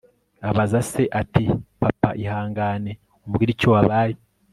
abaza se ati papa, ihangane umbwire icyo wabaye